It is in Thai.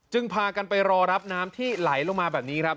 พากันไปรอรับน้ำที่ไหลลงมาแบบนี้ครับ